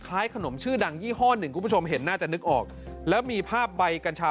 ขนมชื่อดังยี่ห้อหนึ่งคุณผู้ชมเห็นน่าจะนึกออกแล้วมีภาพใบกัญชา